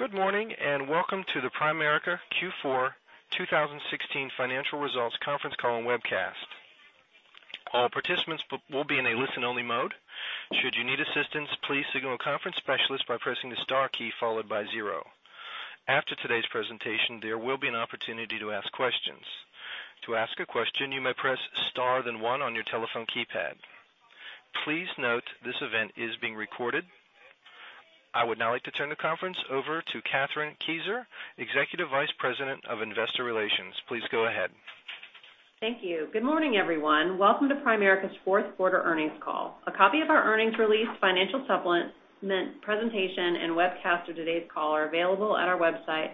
Good morning, and welcome to the Primerica Q4 2016 financial results conference call and webcast. All participants will be in a listen-only mode. Should you need assistance, please signal a conference specialist by pressing the star key followed by zero. After today's presentation, there will be an opportunity to ask questions. To ask a question, you may press star, then one on your telephone keypad. Please note this event is being recorded. I would now like to turn the conference over to Kathryn Kieser, Executive Vice President of Investor Relations. Please go ahead. Thank you. Good morning, everyone. Welcome to Primerica's fourth quarter earnings call. A copy of our earnings release, financial supplement presentation, and webcast of today's call are available at our website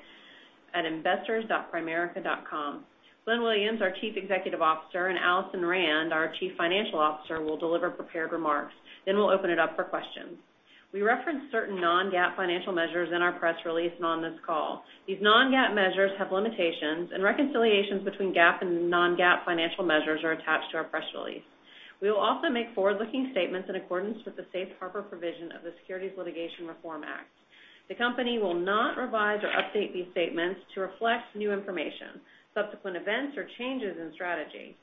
at investors.primerica.com. Glenn Williams, our Chief Executive Officer, and Alison Rand, our Chief Financial Officer, will deliver prepared remarks. We'll open it up for questions. We reference certain non-GAAP financial measures in our press release and on this call. These non-GAAP measures have limitations. Reconciliations between GAAP and non-GAAP financial measures are attached to our press release. We will also make forward-looking statements in accordance with the safe harbor provision of the Securities Litigation Reform Act. The company will not revise or update these statements to reflect new information, subsequent events, or changes in strategy.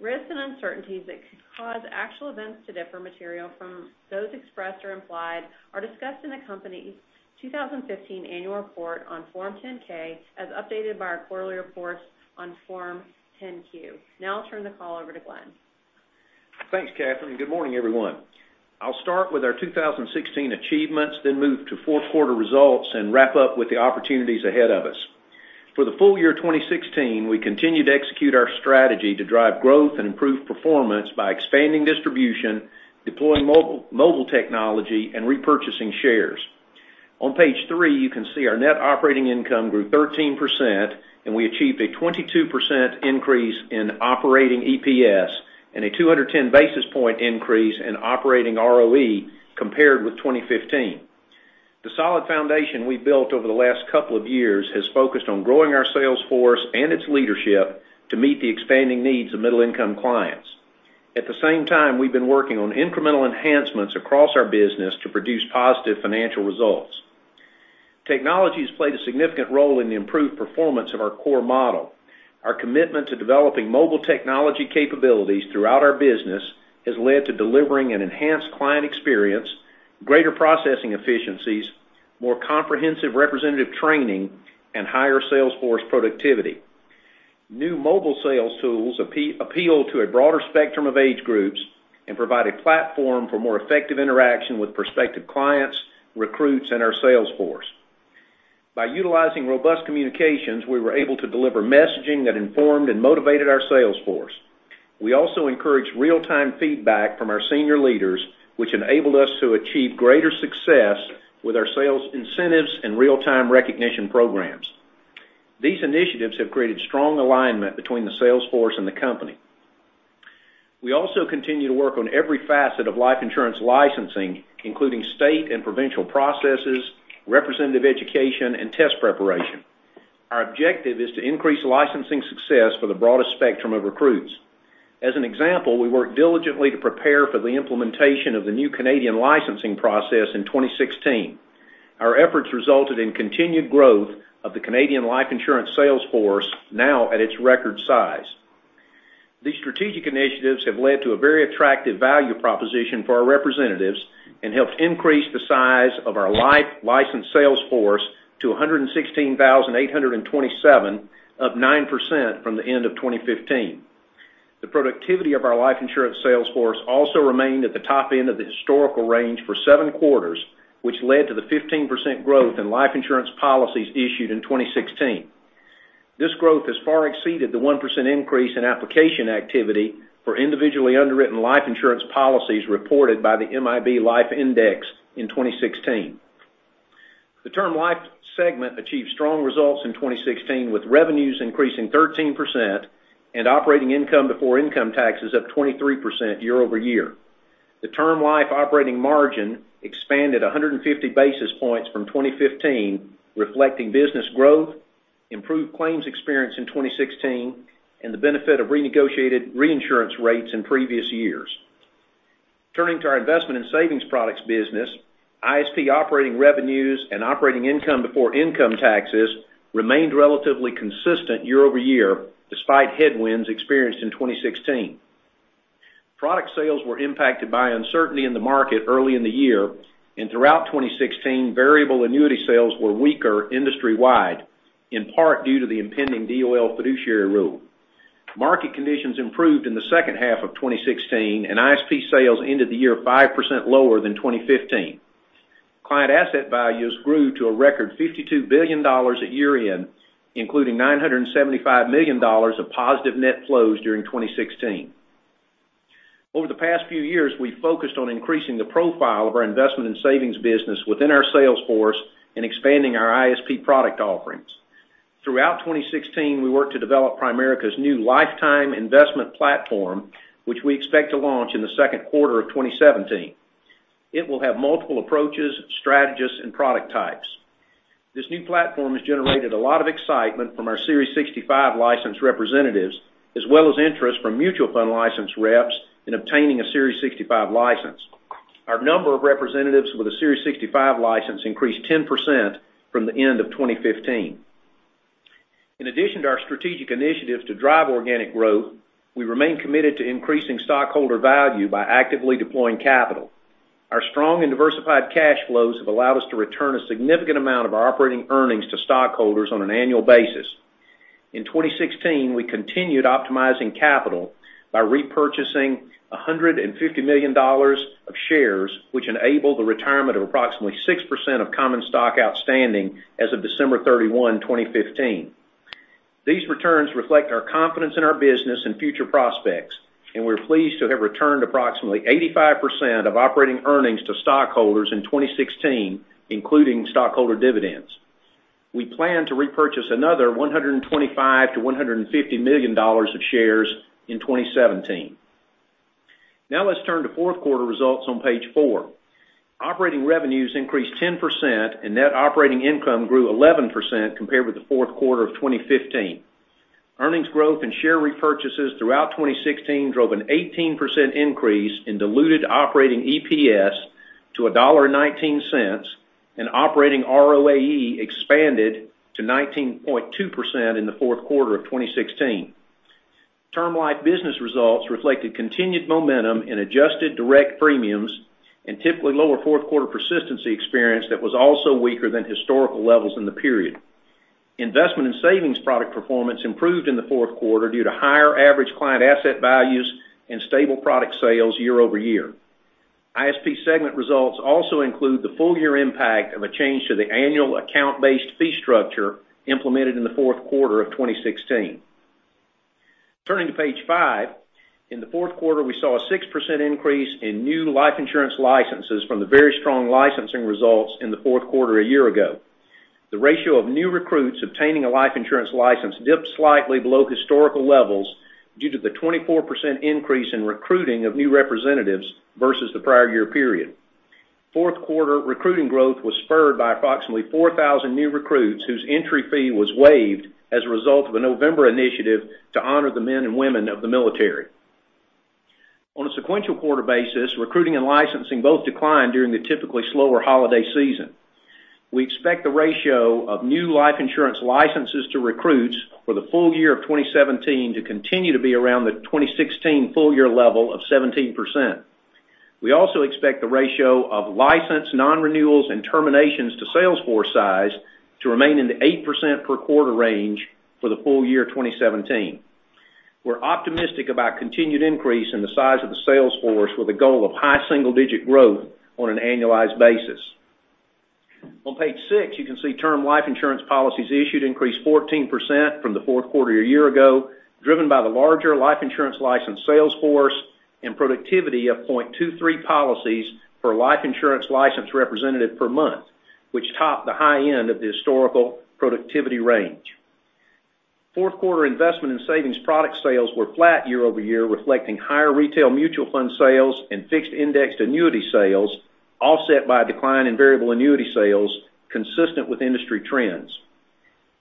Risks and uncertainties that could cause actual events to differ materially from those expressed or implied are discussed in the company's 2015 annual report on Form 10-K, as updated by our quarterly reports on Form 10-Q. I'll turn the call over to Glenn. Thanks, Kathryn, and good morning, everyone. I'll start with our 2016 achievements, then move to fourth quarter results, and wrap up with the opportunities ahead of us. For the full year 2016, we continued to execute our strategy to drive growth and improve performance by expanding distribution, deploying mobile technology, and repurchasing shares. On page three, you can see our net operating income grew 13%. We achieved a 22% increase in operating EPS and a 210 basis point increase in operating ROE compared with 2015. The solid foundation we built over the last couple of years has focused on growing our sales force and its leadership to meet the expanding needs of middle-income clients. At the same time, we've been working on incremental enhancements across our business to produce positive financial results. Technology has played a significant role in the improved performance of our core model. Our commitment to developing mobile technology capabilities throughout our business has led to delivering an enhanced client experience, greater processing efficiencies, more comprehensive representative training, and higher sales force productivity. New mobile sales tools appeal to a broader spectrum of age groups and provide a platform for more effective interaction with prospective clients, recruits, and our sales force. By utilizing robust communications, we were able to deliver messaging that informed and motivated our sales force. We also encouraged real-time feedback from our senior leaders, which enabled us to achieve greater success with our sales incentives and real-time recognition programs. These initiatives have created strong alignment between the sales force and the company. We also continue to work on every facet of life insurance licensing, including state and provincial processes, representative education, and test preparation. Our objective is to increase licensing success for the broadest spectrum of recruits. As an example, we worked diligently to prepare for the implementation of the new Canadian licensing process in 2016. Our efforts resulted in continued growth of the Canadian life insurance sales force, now at its record size. These strategic initiatives have led to a very attractive value proposition for our representatives and helped increase the size of our life license sales force to 116,827, up 9% from the end of 2015. The productivity of our life insurance sales force also remained at the top end of the historical range for seven quarters, which led to the 15% growth in life insurance policies issued in 2016. This growth has far exceeded the 1% increase in application activity for individually underwritten life insurance policies reported by the MIB Life Index in 2016. The Term Life segment achieved strong results in 2016, with revenues increasing 13% and operating income before income taxes up 23% year-over-year. The Term Life operating margin expanded 150 basis points from 2015, reflecting business growth, improved claims experience in 2016, and the benefit of renegotiated reinsurance rates in previous years. Turning to our Investment and Savings Products business, ISP operating revenues and operating income before income taxes remained relatively consistent year-over-year, despite headwinds experienced in 2016. Product sales were impacted by uncertainty in the market early in the year and throughout 2016, Variable Annuity sales were weaker industry-wide, in part due to the impending DOL Fiduciary Rule. Market conditions improved in the second half of 2016, and ISP sales ended the year 5% lower than 2015. Client asset values grew to a record $52 billion at year-end, including $975 million of positive net flows during 2016. Over the past few years, we've focused on increasing the profile of our Investment and Savings Products business within our sales force and expanding our ISP product offerings. Throughout 2016, we worked to develop Primerica Advisors Lifetime Investment Platform, which we expect to launch in the second quarter of 2017. It will have multiple approaches, strategies, and product types. This new platform has generated a lot of excitement from our Series 65 license representatives, as well as interest from Mutual Funds license reps in obtaining a Series 65 license. Our number of representatives with a Series 65 license increased 10% from the end of 2015. In addition to our strategic initiatives to drive organic growth, we remain committed to increasing stockholder value by actively deploying capital. Our strong and diversified cash flows have allowed us to return a significant amount of our operating earnings to stockholders on an annual basis. In 2016, we continued optimizing capital by repurchasing $150 million of shares, which enabled the retirement of approximately 6% of common stock outstanding as of December 31, 2015. These returns reflect our confidence in our business and future prospects. We're pleased to have returned approximately 85% of operating earnings to stockholders in 2016, including stockholder dividends. We plan to repurchase another $125 million-$150 million of shares in 2017. Now let's turn to fourth quarter results on page four. Operating revenues increased 10%. Net operating income grew 11% compared with the fourth quarter of 2015. Earnings growth and share repurchases throughout 2016 drove an 18% increase in diluted operating EPS to $1.19. Operating ROAE expanded to 19.2% in the fourth quarter of 2016. Term life business results reflected continued momentum in adjusted direct premiums, typically lower fourth quarter persistency experience that was also weaker than historical levels in the period. Investment and Savings Products performance improved in the fourth quarter due to higher average client asset values and stable product sales year-over-year. ISP segment results also include the full-year impact of a change to the annual account-based fee structure implemented in the fourth quarter of 2016. Turning to page five. In the fourth quarter, we saw a 6% increase in new life insurance licenses from the very strong licensing results in the fourth quarter a year ago. The ratio of new recruits obtaining a life insurance license dipped slightly below historical levels due to the 24% increase in recruiting of new representatives versus the prior year period. Fourth quarter recruiting growth was spurred by approximately 4,000 new recruits whose entry fee was waived as a result of a November initiative to honor the men and women of the military. On a sequential quarter basis, recruiting and licensing both declined during the typically slower holiday season. We expect the ratio of new life insurance licenses to recruits for the full year of 2017 to continue to be around the 2016 full-year level of 17%. We also expect the ratio of licensed nonrenewals and terminations to sales force size to remain in the 8% per quarter range for the full year 2017. We're optimistic about continued increase in the size of the sales force with a goal of high single-digit growth on an annualized basis. On page six, you can see Term Life Insurance policies issued increased 14% from the fourth quarter a year ago, driven by the larger life insurance licensed sales force and productivity of 0.23 policies per life insurance licensed representative per month, which topped the high end of the historical productivity range. Fourth quarter Investment and Savings Products sales were flat year-over-year, reflecting higher retail Mutual Fund sales and fixed indexed annuity sales, offset by a decline in Variable Annuity sales consistent with industry trends.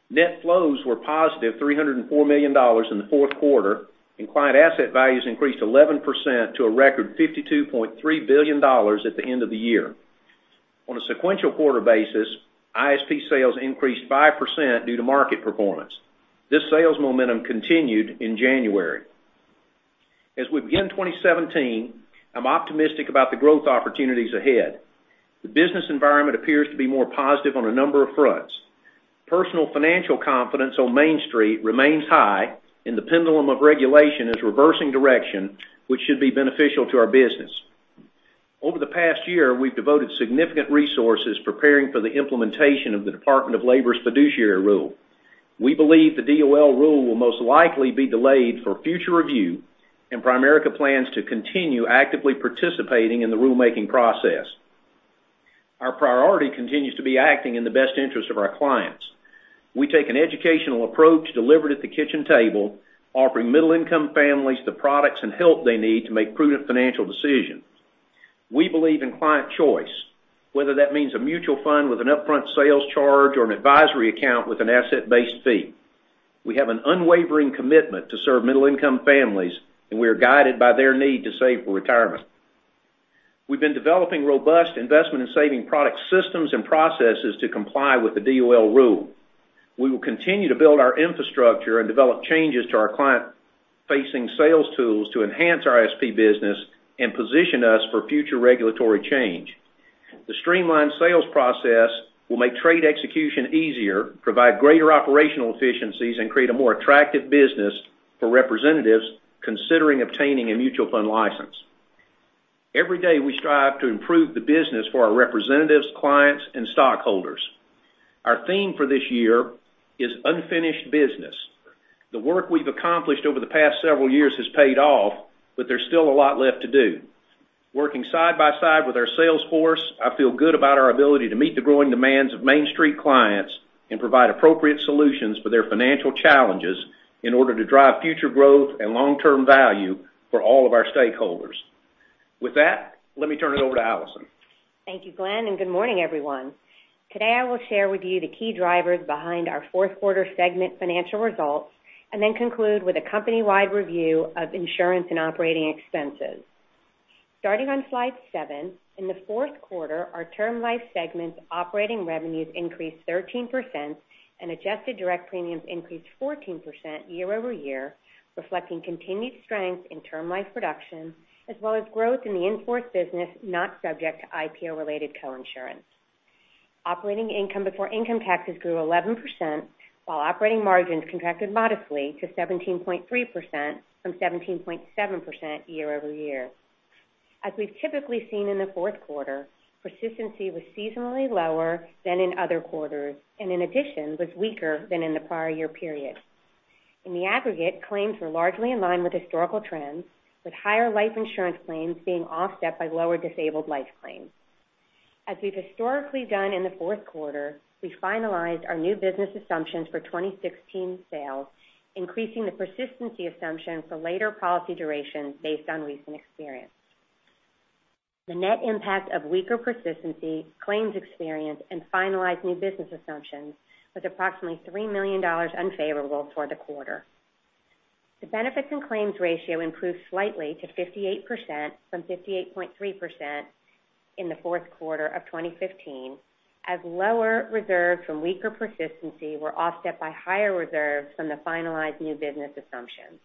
Net flows were positive $304 million in the fourth quarter. Client asset values increased 11% to a record $52.3 billion at the end of the year. On a sequential quarter basis, ISP sales increased 5% due to market performance. This sales momentum continued in January. As we begin 2017, I'm optimistic about the growth opportunities ahead. The business environment appears to be more positive on a number of fronts. Personal financial confidence on Main Street remains high, and the pendulum of regulation is reversing direction, which should be beneficial to our business. Over the past year, we've devoted significant resources preparing for the implementation of the U.S. Department of Labor's DOL Fiduciary Rule. We believe the DOL rule will most likely be delayed for future review, and Primerica plans to continue actively participating in the rulemaking process. Our priority continues to be acting in the best interest of our clients. We take an educational approach delivered at the kitchen table, offering middle-income families the products and help they need to make prudent financial decisions. We believe in client choice, whether that means a Mutual Fund with an upfront sales charge or an advisory account with an asset-based fee. We have an unwavering commitment to serve middle-income families. We are guided by their need to save for retirement. We've been developing robust Investment and Savings Products systems and processes to comply with the DOL rule. We will continue to build our infrastructure and develop changes to our client-facing sales tools to enhance our ISP business and position us for future regulatory change. The streamlined sales process will make trade execution easier, provide greater operational efficiencies, and create a more attractive business for representatives considering obtaining a mutual fund license. Every day, we strive to improve the business for our representatives, clients, and stockholders. Our theme for this year is unfinished business. The work we've accomplished over the past several years has paid off, there's still a lot left to do. Working side by side with our sales force, I feel good about our ability to meet the growing demands of Main Street clients and provide appropriate solutions for their financial challenges in order to drive future growth and long-term value for all of our stakeholders. With that, let me turn it over to Alison. Thank you, Glenn. Good morning, everyone. Today, I will share with you the key drivers behind our fourth quarter segment financial results then conclude with a company-wide review of insurance and operating expenses. Starting on slide seven, in the fourth quarter, our Term Life segment's operating revenues increased 13% and adjusted direct premiums increased 14% year-over-year, reflecting continued strength in Term Life production, as well as growth in the in-force business not subject to IPO-related coinsurance. Operating income before income taxes grew 11%, while operating margins contracted modestly to 17.3% from 17.7% year-over-year. As we've typically seen in the fourth quarter, persistency was seasonally lower than in other quarters, in addition, was weaker than in the prior year period. In the aggregate, claims were largely in line with historical trends, with higher life insurance claims being offset by lower disabled life claims. As we've historically done in the fourth quarter, we finalized our new business assumptions for 2016 sales, increasing the persistency assumption for later policy durations based on recent experience. The net impact of weaker persistency, claims experience, and finalized new business assumptions was approximately $3 million unfavorable for the quarter. The benefits and claims ratio improved slightly to 58% from 58.3% in the fourth quarter of 2015, as lower reserves from weaker persistency were offset by higher reserves from the finalized new business assumptions.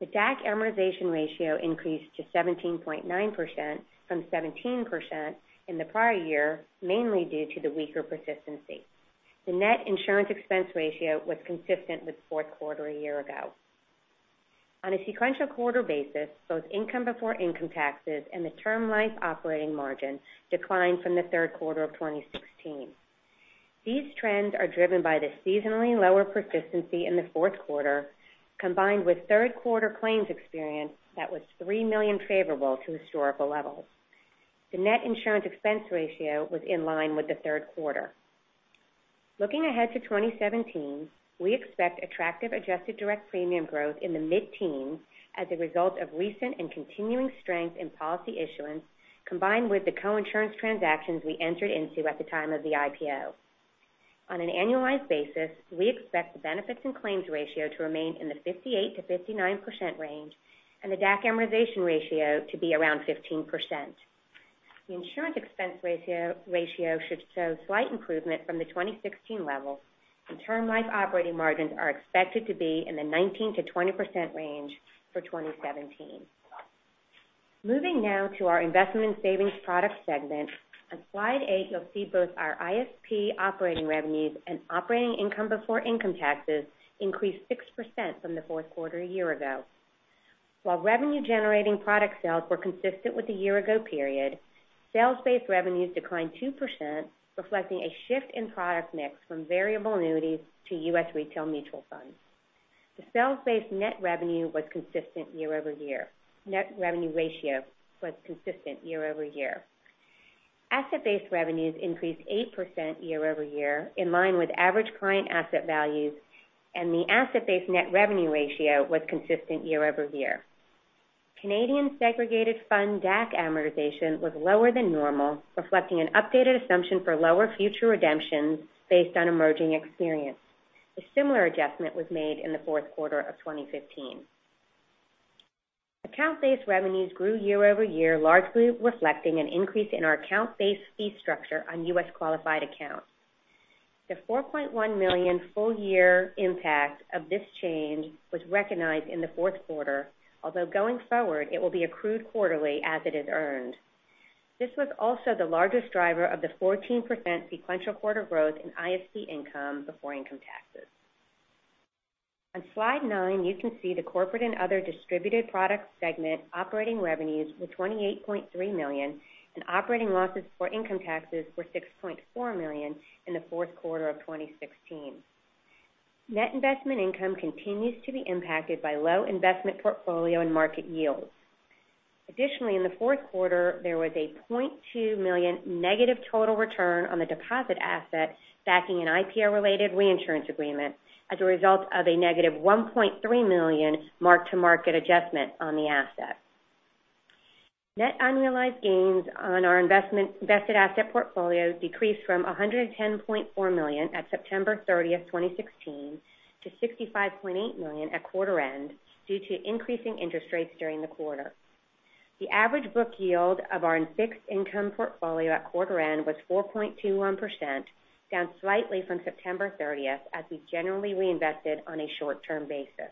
The DAC amortization ratio increased to 17.9% from 17% in the prior year, mainly due to the weaker persistency. The net insurance expense ratio was consistent with the fourth quarter a year ago. On a sequential quarter basis, both income before income taxes and the Term Life operating margin declined from the third quarter of 2016. These trends are driven by the seasonally lower persistency in the fourth quarter, combined with third-quarter claims experience that was $3 million favorable to historical levels. The net insurance expense ratio was in line with the third quarter. Looking ahead to 2017, we expect attractive adjusted direct premium growth in the mid-teens as a result of recent and continuing strength in policy issuance, combined with the coinsurance transactions we entered into at the time of the IPO. On an annualized basis, we expect the benefits and claims ratio to remain in the 58%-59% range and the DAC amortization ratio to be around 15%. The insurance expense ratio should show slight improvement from the 2016 levels, and Term Life operating margins are expected to be in the 19%-20% range for 2017. Moving now to our Investment and Savings Products segment. On slide eight, you'll see both our ISP operating revenues and operating income before income taxes increased 6% from the fourth quarter a year ago. While revenue-generating product sales were consistent with the year-ago period, sales-based revenues declined 2%, reflecting a shift in product mix from Variable Annuities to U.S. retail Mutual Funds. The sales-based net revenue was consistent year over year. Net revenue ratio was consistent year over year. Asset-based revenues increased 8% year over year, in line with average client asset values, and the asset-based net revenue ratio was consistent year over year. Canadian Segregated Fund DAC amortization was lower than normal, reflecting an updated assumption for lower future redemptions based on emerging experience. A similar adjustment was made in the fourth quarter of 2015. Account-based revenues grew year over year, largely reflecting an increase in our account-based fee structure on U.S.-qualified accounts. The $4.1 million full-year impact of this change was recognized in the fourth quarter, although going forward, it will be accrued quarterly as it is earned. This was also the largest driver of the 14% sequential quarter growth in ISP income before income taxes. On slide nine, you can see the corporate and other distributed products segment operating revenues were $28.3 million, and operating losses for income taxes were $6.4 million in the fourth quarter of 2016. Net investment income continues to be impacted by low investment portfolio and market yields. Additionally, in the fourth quarter, there was a $0.2 million negative total return on the deposit assets backing an IPO-related reinsurance agreement as a result of a negative $1.3 million mark-to-market adjustment on the asset. Net unrealized gains on our invested asset portfolio decreased from $110.4 million at September 30th, 2016, to $65.8 million at quarter end due to increasing interest rates during the quarter. The average book yield of our fixed income portfolio at quarter end was 4.21%, down slightly from September 30th, as we generally reinvested on a short-term basis.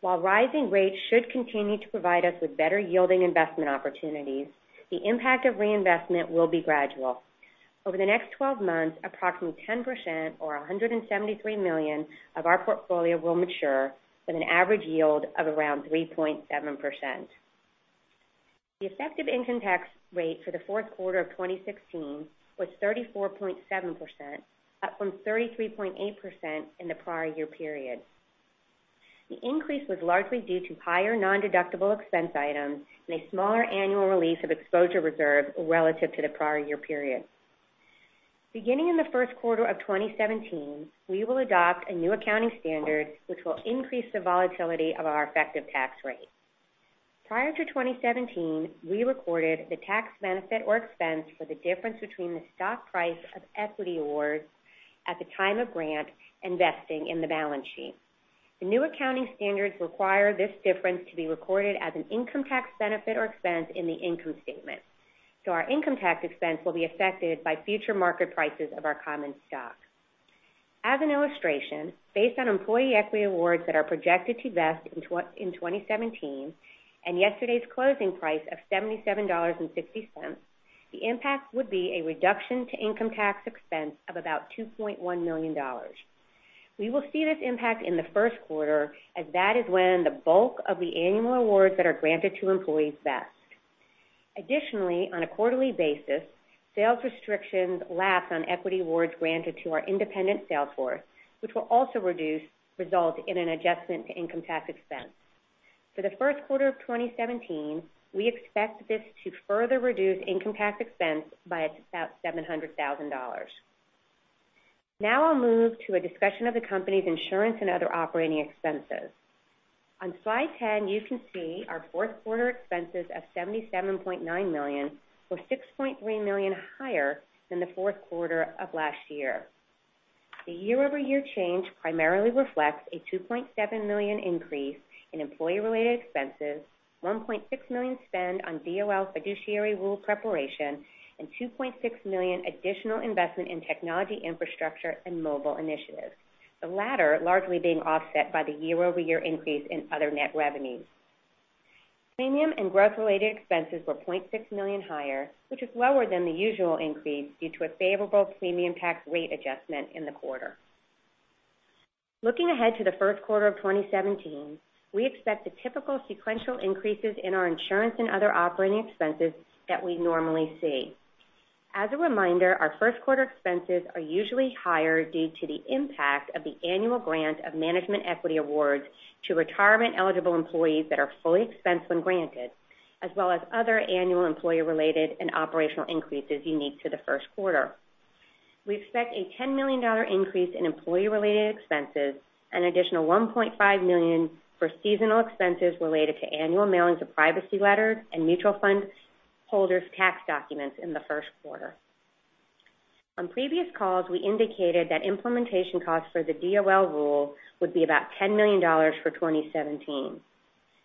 While rising rates should continue to provide us with better yielding investment opportunities, the impact of reinvestment will be gradual. Over the next 12 months, approximately 10%, or $173 million, of our portfolio will mature with an average yield of around 3.7%. The effective income tax rate for the fourth quarter of 2016 was 34.7%, up from 33.8% in the prior year period. The increase was largely due to higher nondeductible expense items and a smaller annual release of exposure reserve relative to the prior year period. Beginning in the first quarter of 2017, we will adopt a new accounting standard which will increase the volatility of our effective tax rate. Prior to 2017, we recorded the tax benefit or expense for the difference between the stock price of equity awards at the time of grant and vesting in the balance sheet. The new accounting standards require this difference to be recorded as an income tax benefit or expense in the income statement. Our income tax expense will be affected by future market prices of our common stock. As an illustration, based on employee equity awards that are projected to vest in 2017, and yesterday's closing price of $77.60, the impact would be a reduction to income tax expense of about $2.1 million. We will see this impact in the first quarter, as that is when the bulk of the annual awards that are granted to employees vest. Additionally, on a quarterly basis, sales restrictions lapse on equity awards granted to our independent sales force, which will also result in an adjustment to income tax expense. For the first quarter of 2017, we expect this to further reduce income tax expense by about $700,000. I'll move to a discussion of the company's insurance and other operating expenses. On slide 10, you can see our fourth quarter expenses of $77.9 million, or $6.3 million higher than the fourth quarter of last year. The year-over-year change primarily reflects a $2.7 million increase in employee-related expenses, $1.6 million spent on DOL Fiduciary Rule preparation, and $2.6 million additional investment in technology infrastructure and mobile initiatives, the latter largely being offset by the year-over-year increase in other net revenues. Premium and growth-related expenses were $0.6 million higher, which is lower than the usual increase due to a favorable premium tax rate adjustment in the quarter. Looking ahead to the first quarter of 2017, we expect the typical sequential increases in our insurance and other operating expenses that we normally see. As a reminder, our first quarter expenses are usually higher due to the impact of the annual grant of management equity awards to retirement-eligible employees that are fully expensed when granted, as well as other annual employee-related and operational increases unique to the first quarter. We expect a $10 million increase in employee-related expenses, an additional $1.5 million for seasonal expenses related to annual mailings of privacy letters and mutual fund holders tax documents in the first quarter. On previous calls, we indicated that implementation costs for the DOL rule would be about $10 million for 2017.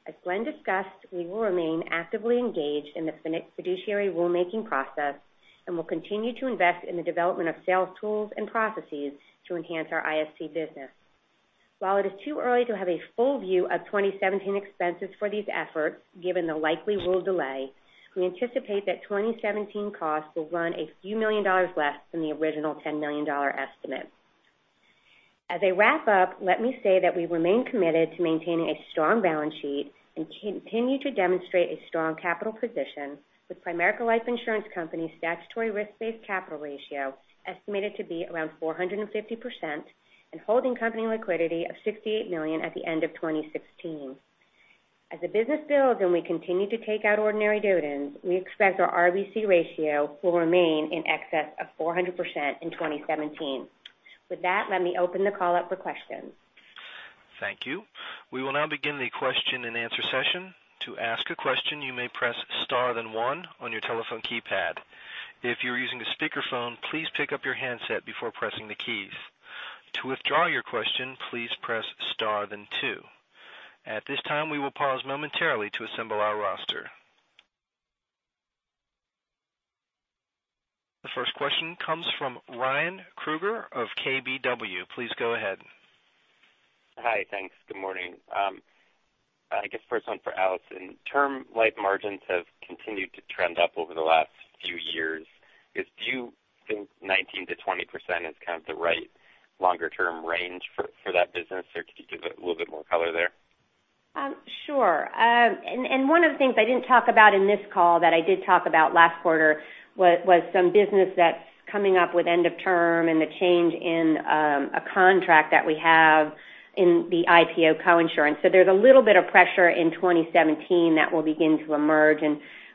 As Glenn discussed, we will remain actively engaged in the fiduciary rulemaking process and will continue to invest in the development of sales tools and processes to enhance our ISP business. While it is too early to have a full view of 2017 expenses for these efforts, given the likely rule delay, we anticipate that 2017 costs will run a few million dollars less than the original $10 million estimate. As I wrap up, let me say that we remain committed to maintaining a strong balance sheet and continue to demonstrate a strong capital position with Primerica Life Insurance Company's statutory risk-based capital ratio estimated to be around 450% and holding company liquidity of $68 million at the end of 2016. As the business builds and we continue to take out ordinary dividends, we expect our RBC ratio will remain in excess of 400% in 2017. With that, let me open the call up for questions. Thank you. We will now begin the question and answer session. To ask a question, you may press star, then one on your telephone keypad. If you're using a speakerphone, please pick up your handset before pressing the keys. To withdraw your question, please press star, then two. At this time, we will pause momentarily to assemble our roster. The first question comes from Ryan Krueger of KBW. Please go ahead. Hi. Thanks. Good morning. I guess first one for Alison. Term life margins have continued to trend up over the last few years. Do you think 19%-20% is kind of the right longer term range for that business, or could you give a little bit more color there? Sure. One of the things I didn't talk about in this call that I did talk about last quarter was some business that's coming up with end of term and the change in a contract that we have in the IPO coinsurance. There's a little bit of pressure in 2017 that will begin to emerge.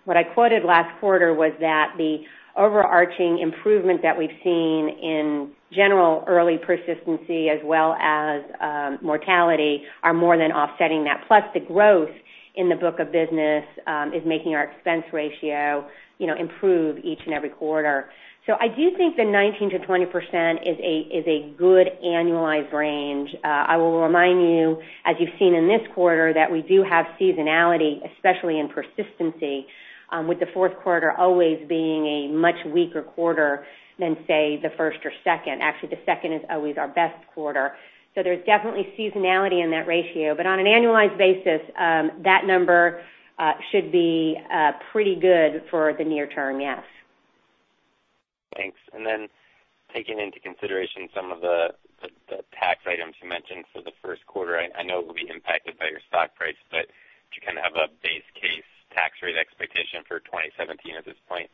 What I quoted last quarter was that the overarching improvement that we've seen in general early persistency as well as mortality are more than offsetting that. Plus, the growth in the book of business is making our expense ratio improve each and every quarter. I do think the 19%-20% is a good annualized range. I will remind you, as you've seen in this quarter, that we do have seasonality, especially in persistency, with the fourth quarter always being a much weaker quarter than, say, the first or second. Actually, the second is always our best quarter. There's definitely seasonality in that ratio. On an annualized basis, that number should be pretty good for the near term, yes. Thanks. Taking into consideration some of the tax items you mentioned for the first quarter, I know it will be impacted by your stock price, but do you kind of have a base case rate expectation for 2017 at this point?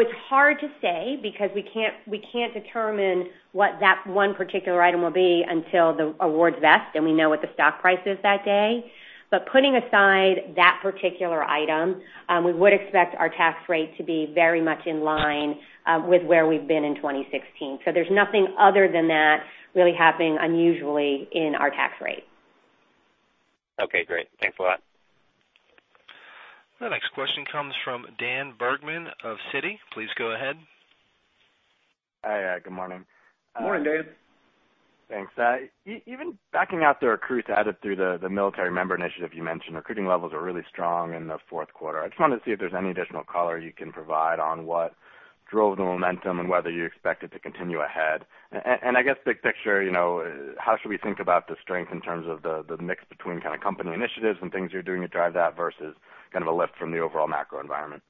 It's hard to say because we can't determine what that one particular item will be until the awards vest and we know what the stock price is that day. Putting aside that particular item, we would expect our tax rate to be very much in line with where we've been in 2016. There's nothing other than that really happening unusually in our tax rate. Okay, great. Thanks a lot. The next question comes from Daniel Bergman of Citi. Please go ahead. Hi. Good morning. Good morning, Dan. Thanks. Even backing out the recruits added through the military member initiative you mentioned, recruiting levels are really strong in the fourth quarter. I just wanted to see if there's any additional color you can provide on what drove the momentum and whether you expect it to continue ahead. I guess big picture, how should we think about the strength in terms of the mix between kind of company initiatives and things you're doing to drive that versus kind of a lift from the overall macro environment?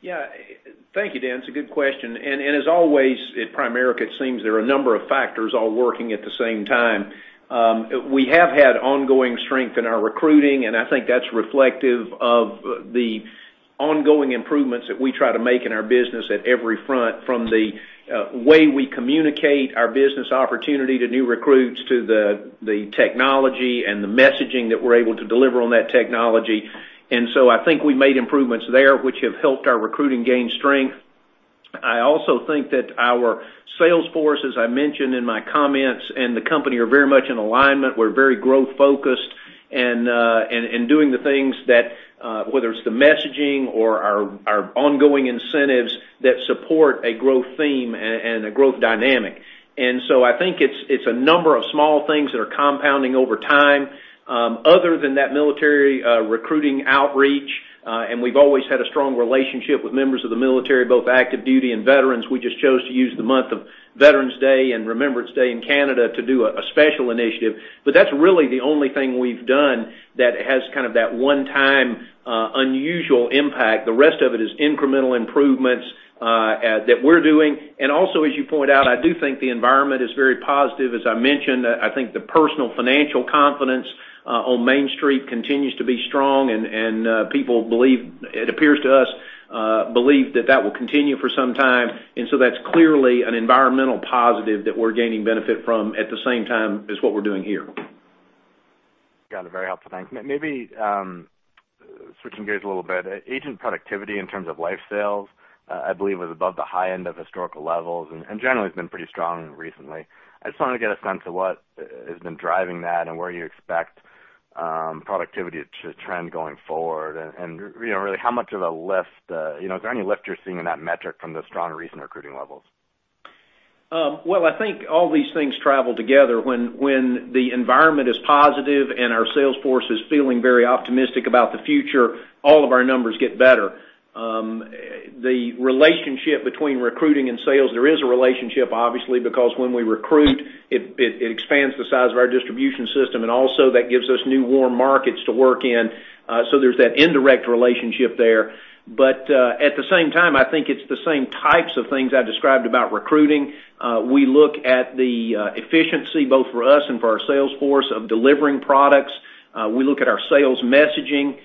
Yeah. Thank you, Dan. It's a good question. As always, at Primerica, it seems there are a number of factors all working at the same time. We have had ongoing strength in our recruiting, and I think that's reflective of the ongoing improvements that we try to make in our business at every front, from the way we communicate our business opportunity to new recruits, to the technology and the messaging that we're able to deliver on that technology. So I think we made improvements there, which have helped our recruiting gain strength. I also think that our sales force, as I mentioned in my comments, and the company are very much in alignment. We're very growth-focused and doing the things that, whether it's the messaging or our ongoing incentives that support a growth theme and a growth dynamic. I think it's a number of small things that are compounding over time. Other than that military recruiting outreach, we've always had a strong relationship with members of the military, both active duty and veterans. We just chose to use the month of Veterans Day and Remembrance Day in Canada to do a special initiative. That's really the only thing we've done that has kind of that one-time unusual impact. The rest of it is incremental improvements that we're doing. Also, as you point out, I do think the environment is very positive. As I mentioned, I think the personal financial confidence on Main Street continues to be strong and people, it appears to us, believe that that will continue for some time. So that's clearly an environmental positive that we're gaining benefit from at the same time as what we're doing here. Got it. Very helpful. Thanks. Maybe switching gears a little bit. Agent productivity in terms of life sales, I believe was above the high end of historical levels and generally has been pretty strong recently. I just wanted to get a sense of what has been driving that and where you expect productivity to trend going forward and really how much of a lift. Is there any lift you're seeing in that metric from the strong recent recruiting levels? Well, I think all these things travel together. When the environment is positive and our sales force is feeling very optimistic about the future, all of our numbers get better. The relationship between recruiting and sales, there is a relationship obviously because when we recruit, it expands the size of our distribution system and also that gives us new warm markets to work in. There's that indirect relationship there. At the same time, I think it's the same types of things I described about recruiting. We look at the efficiency both for us and for our sales force of delivering products. We look at our sales messaging.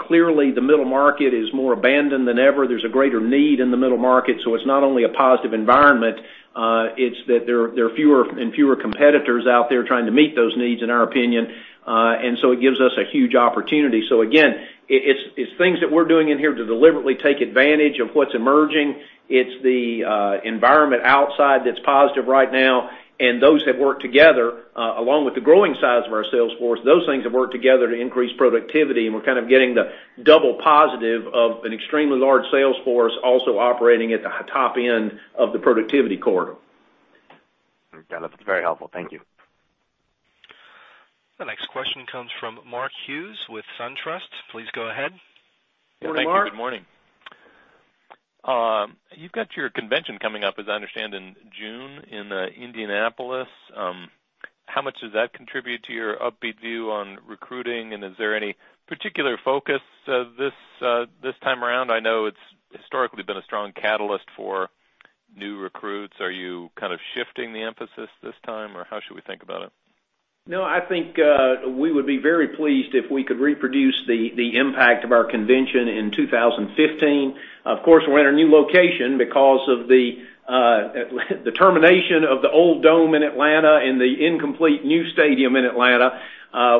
Clearly, the middle market is more abandoned than ever. There's a greater need in the middle market. It's not only a positive environment, it's that there are fewer and fewer competitors out there trying to meet those needs in our opinion. It gives us a huge opportunity. Again, it's things that we're doing in here to deliberately take advantage of what's emerging. It's the environment outside that's positive right now and those have worked together, along with the growing size of our sales force. Those things have worked together to increase productivity and we're kind of getting the double positive of an extremely large sales force also operating at the top end of the productivity corridor. Got it. That's very helpful. Thank you. The next question comes from Mark Hughes with SunTrust. Please go ahead. Good morning. Thank you. Good morning. You've got your convention coming up, as I understand, in June in Indianapolis. How much does that contribute to your upbeat view on recruiting and is there any particular focus this time around? I know it's historically been a strong catalyst for new recruits. Are you kind of shifting the emphasis this time or how should we think about it? I think we would be very pleased if we could reproduce the impact of our convention in 2015. Of course, we're in a new location because of the termination of the old dome in Atlanta and the incomplete new stadium in Atlanta.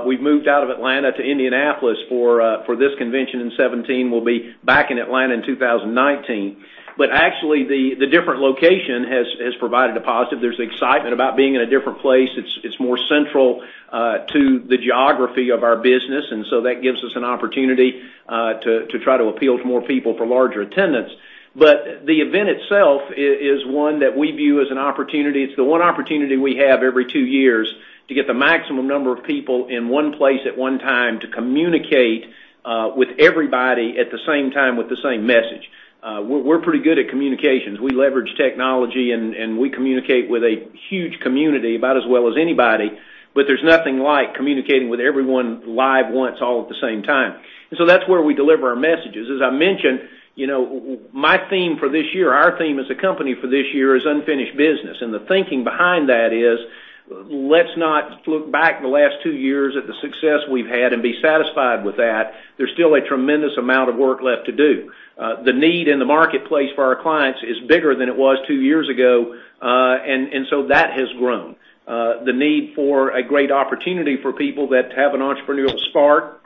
We've moved out of Atlanta to Indianapolis for this convention in 2017. We'll be back in Atlanta in 2019. Actually the different location has provided a positive. There's excitement about being in a different place. It's more central to the geography of our business and that gives us an opportunity to try to appeal to more people for larger attendance. The event itself is one that we view as an opportunity. It's the one opportunity we have every two years to get the maximum number of people in one place at one time to communicate with everybody at the same time with the same message. We're pretty good at communications. We leverage technology and we communicate with a huge community about as well as anybody, There's nothing like communicating with everyone live once all at the same time. That's where we deliver our messages. As I mentioned, my theme for this year, our theme as a company for this year is unfinished business and the thinking behind that is Let's not look back the last two years at the success we've had and be satisfied with that. There's still a tremendous amount of work left to do. The need in the marketplace for our clients is bigger than it was two years ago, That has grown. The need for a great opportunity for people that have an entrepreneurial spark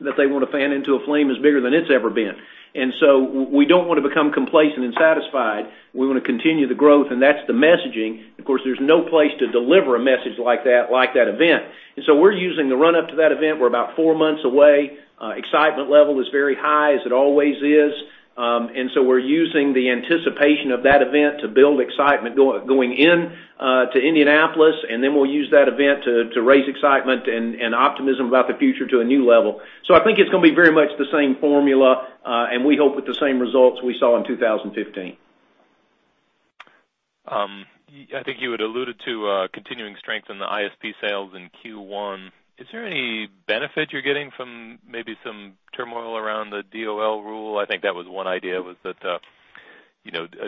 that they want to fan into a flame is bigger than it's ever been. We don't want to become complacent and satisfied. We want to continue the growth, That's the messaging. Of course, there's no place to deliver a message like that, like that event. We're using the run-up to that event. We're about four months away. Excitement level is very high, as it always is. We're using the anticipation of that event to build excitement going in to Indianapolis, Then we'll use that event to raise excitement and optimism about the future to a new level. I think it's going to be very much the same formula, We hope with the same results we saw in 2015. I think you had alluded to continuing strength in the ISP sales in Q1. Is there any benefit you're getting from maybe some turmoil around the DOL rule? I think that was one idea, was that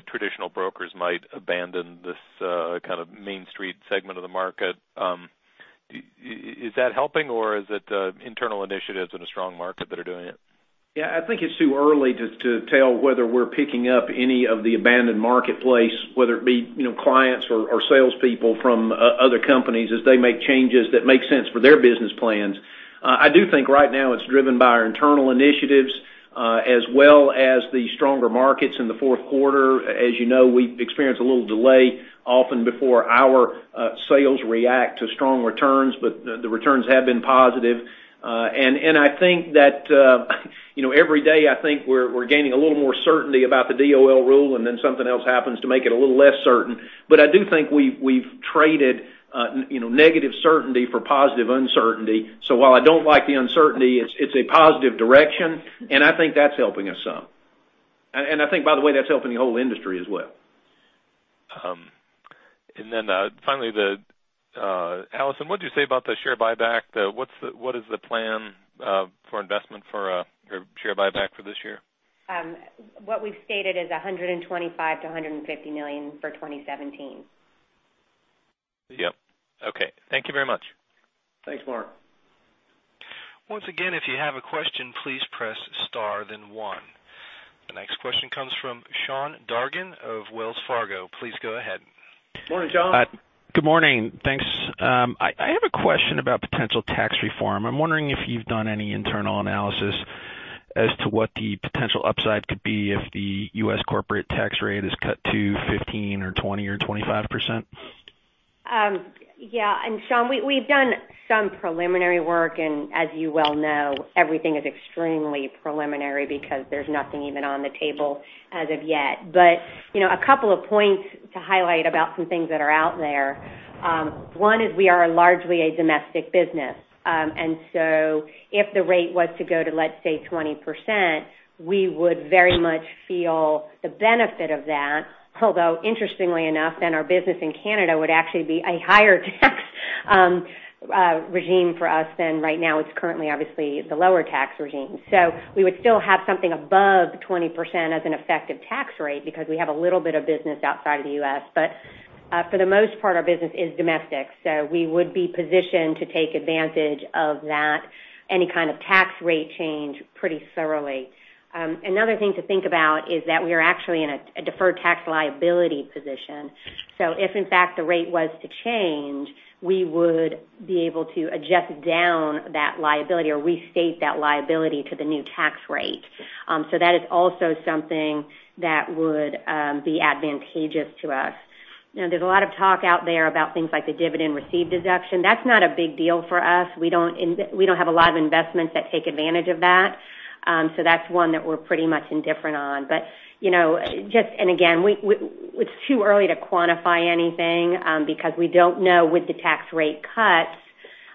traditional brokers might abandon this kind of Main Street segment of the market. Is that helping, or is it internal initiatives in a strong market that are doing it? I think it's too early to tell whether we're picking up any of the abandoned marketplace, whether it be clients or salespeople from other companies as they make changes that make sense for their business plans. I do think right now it's driven by our internal initiatives, as well as the stronger markets in the fourth quarter. As you know, we experience a little delay often before our sales react to strong returns, The returns have been positive. Every day, I think we're gaining a little more certainty about the DOL rule, Then something else happens to make it a little less certain. I do think we've traded negative certainty for positive uncertainty. While I don't like the uncertainty, it's a positive direction, I think that's helping us some. I think, by the way, that's helping the whole industry as well. Finally, Alison, what'd you say about the share buyback? What is the plan for investment for share buyback for this year? What we've stated is $125 million-$150 million for 2017. Yep. Okay. Thank you very much. Thanks, Mark. Once again, if you have a question, please press star then one. The next question comes from Sean Dargan of Wells Fargo. Please go ahead. Morning, Sean. Good morning. Thanks. I have a question about potential tax reform. I'm wondering if you've done any internal analysis as to what the potential upside could be if the U.S. corporate tax rate is cut to 15% or 20% or 25%? Yeah. Sean, we've done some preliminary work, and as you well know, everything is extremely preliminary because there's nothing even on the table as of yet. A couple of points to highlight about some things that are out there. One is we are largely a domestic business. If the rate was to go to, let's say, 20%, we would very much feel the benefit of that. Although, interestingly enough, then our business in Canada would actually be a higher tax regime for us than right now. It's currently, obviously, the lower tax regime. We would still have something above 20% as an effective tax rate because we have a little bit of business outside of the U.S. For the most part, our business is domestic, so we would be positioned to take advantage of that, any kind of tax rate change pretty thoroughly. Another thing to think about is that we are actually in a deferred tax liability position. If in fact the rate was to change, we would be able to adjust down that liability or restate that liability to the new tax rate. That is also something that would be advantageous to us. There's a lot of talk out there about things like the dividend received deduction. That's not a big deal for us. We don't have a lot of investments that take advantage of that. That's one that we're pretty much indifferent on. Again, it's too early to quantify anything, because we don't know with the tax rate cuts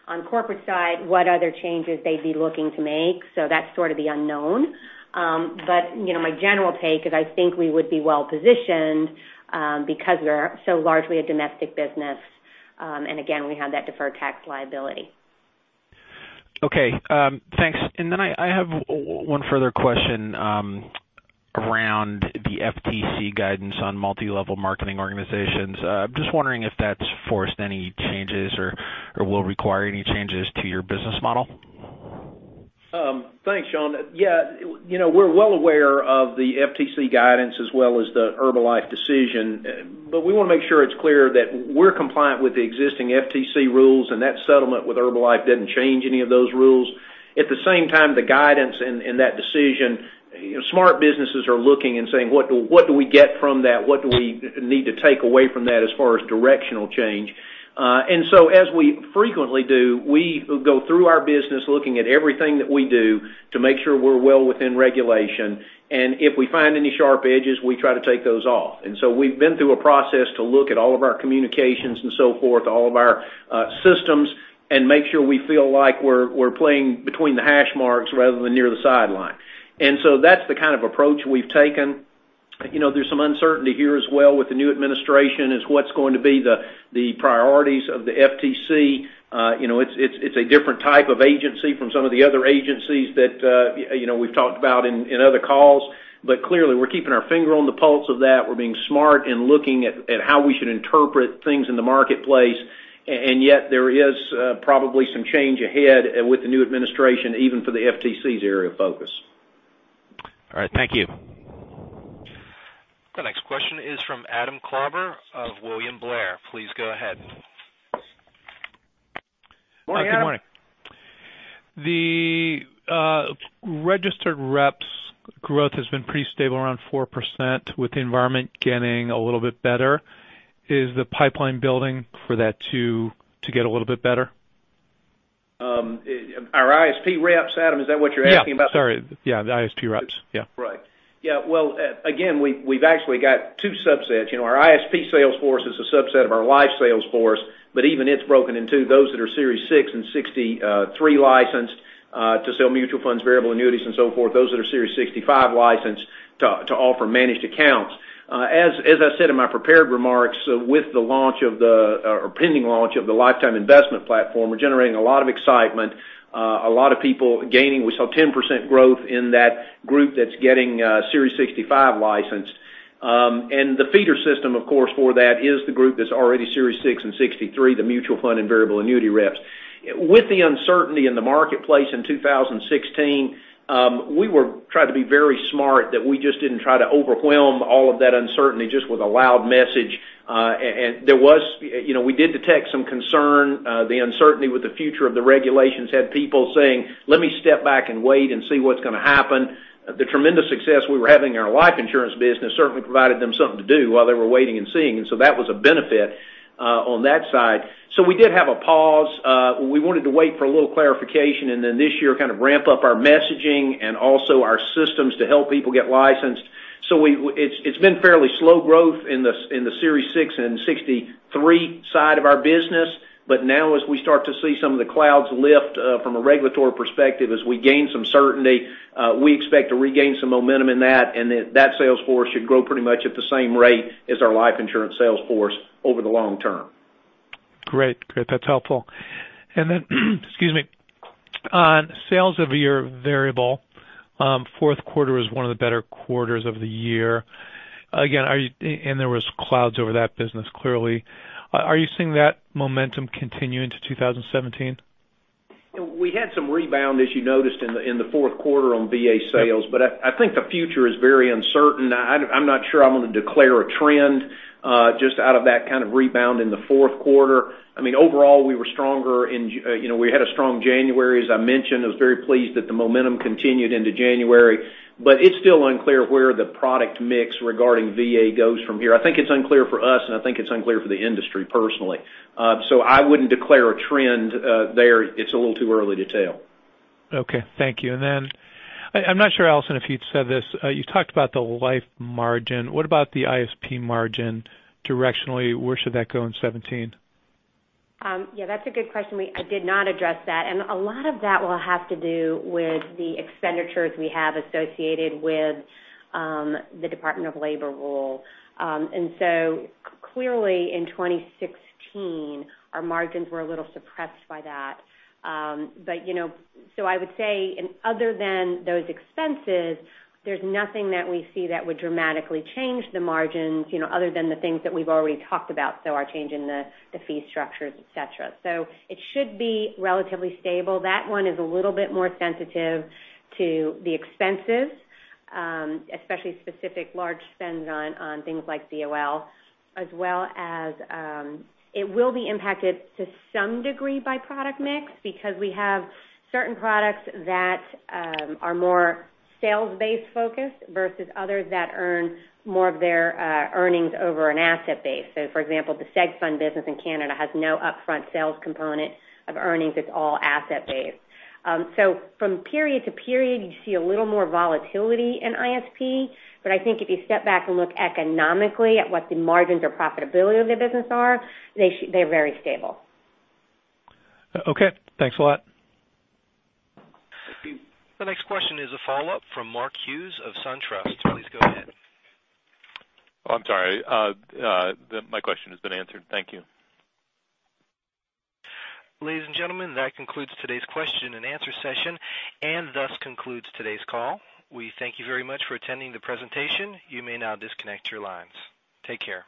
on corporate side, what other changes they'd be looking to make. That's sort of the unknown. My general take is I think we would be well positioned because we're so largely a domestic business, and again, we have that deferred tax liability. Okay. Thanks. Then I have one further question around the FTC guidance on multi-level marketing organizations. Just wondering if that's forced any changes or will require any changes to your business model. Thanks, Sean. Yeah. We're well aware of the FTC guidance as well as the Herbalife decision, we want to make sure it's clear that we're compliant with the existing FTC rules, that settlement with Herbalife didn't change any of those rules. At the same time, the guidance and that decision, smart businesses are looking and saying, what do we get from that? What do we need to take away from that as far as directional change? As we frequently do, we go through our business looking at everything that we do to make sure we're well within regulation. If we find any sharp edges, we try to take those off. We've been through a process to look at all of our communications and so forth, all of our systems, and make sure we feel like we're playing between the hash marks rather than near the sideline. That's the kind of approach we've taken. There's some uncertainty here as well with the new administration is what's going to be the priorities of the FTC. It's a different type of agency from some of the other agencies that we've talked about in other calls. Clearly, we're keeping our finger on the pulse of that. We're being smart and looking at how we should interpret things in the marketplace. Yet, there is probably some change ahead with the new administration, even for the FTC's area of focus. All right. Thank you. The next question is from Adam Klauber of William Blair. Please go ahead. Good morning, Adam. Good morning. The registered reps growth has been pretty stable around 4% with the environment getting a little bit better. Is the pipeline building for that to get a little bit better? Our ISP reps, Adam, is that what you're asking about? Yeah. Sorry. Yeah, the ISP reps. Yeah. Right. Yeah. Well, again, we've actually got two subsets. Our ISP sales force is a subset of our life sales force, but even it's broken in two. Those that are Series 6 and 63 licensed to sell Mutual Funds, Variable Annuities, and so forth, those that are Series 65 licensed to offer managed accounts. As I said in my prepared remarks, with the pending launch of the Lifetime Investment Platform, we're generating a lot of excitement, a lot of people gaining. We saw 10% growth in that group that's getting Series 65 licensed. The feeder system, of course, for that is the group that's already Series 6 and 63, the Mutual Fund and Variable Annuity reps. With the uncertainty in the marketplace in 2016, we tried to be very smart that we just didn't try to overwhelm all of that uncertainty just with a loud message. We did detect some concern. The uncertainty with the future of the regulations had people saying, "Let me step back and wait and see what's going to happen." The tremendous success we were having in our life insurance business certainly provided them something to do while they were waiting and seeing. That was a benefit on that side. We did have a pause. We wanted to wait for a little clarification, and then this year kind of ramp up our messaging and also our systems to help people get licensed. It's been fairly slow growth in the Series 6 and 63 side of our business. Now as we start to see some of the clouds lift from a regulatory perspective, as we gain some certainty, we expect to regain some momentum in that, and that sales force should grow pretty much at the same rate as our life insurance sales force over the long term. Great. That's helpful. Then on sales of your Variable, fourth quarter was one of the better quarters of the year. Again, there was clouds over that business, clearly. Are you seeing that momentum continue into 2017? We had some rebound, as you noticed in the fourth quarter on VA sales, I think the future is very uncertain. I'm not sure I'm going to declare a trend just out of that kind of rebound in the fourth quarter. Overall, we had a strong January, as I mentioned. I was very pleased that the momentum continued into January. It's still unclear where the product mix regarding VA goes from here. I think it's unclear for us, and I think it's unclear for the industry personally. I wouldn't declare a trend there. It's a little too early to tell. Okay. Thank you. Then I'm not sure, Alison, if you'd said this. You talked about the life margin. What about the ISP margin directionally? Where should that go in 2017? Yeah, that's a good question. I did not address that. A lot of that will have to do with the expenditures we have associated with the Department of Labor rule. Clearly in 2016, our margins were a little suppressed by that. I would say in other than those expenses, there's nothing that we see that would dramatically change the margins, other than the things that we've already talked about, so our change in the fee structures, et cetera. It should be relatively stable. That one is a little bit more sensitive to the expenses, especially specific large spends on things like DOL, as well as it will be impacted to some degree by product mix because we have certain products that are more sales-based focused versus others that earn more of their earnings over an asset base. For example, the seg fund business in Canada has no upfront sales component of earnings. It's all asset based. From period to period, you see a little more volatility in ISP, but I think if you step back and look economically at what the margins or profitability of the business are, they're very stable. Okay. Thanks a lot. The next question is a follow-up from Mark Hughes of SunTrust. Please go ahead. Oh, I'm sorry. My question has been answered. Thank you. Ladies and gentlemen, that concludes today's question and answer session, and thus concludes today's call. We thank you very much for attending the presentation. You may now disconnect your lines. Take care.